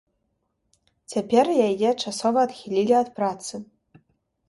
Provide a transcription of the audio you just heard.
Цяпер яе часова адхілі ад працы.